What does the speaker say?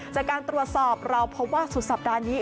จากการตรวจสอบเราพบว่าสุดสัปดาห์นี้